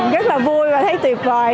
rất là vui và thấy tuyệt vời